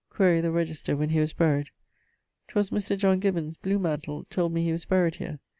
☞ Quaere the register when he was buried. 'Twas Mr. John Gibbons, Blewmantle, told me he was buried here.